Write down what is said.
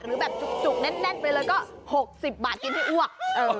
หรือแบบจุกแน่นไปเลยก็๖๐บาทกินให้อ้วก